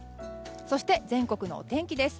そして全国のお天気です。